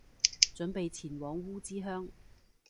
準備前往烏之鄉